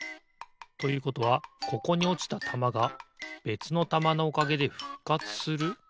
ということはここにおちたたまがべつのたまのおかげでふっかつする？